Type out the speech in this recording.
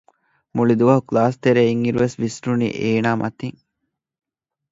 މުޅި ދުވަހު ކްލާސްތެރޭ އިން އިރު ވިސްނުނީ އޭނާ މަތިން